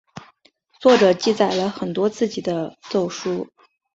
作者记载了很多自己的奏疏。